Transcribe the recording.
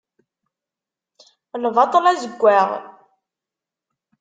Lbaṭel azeggaɣ.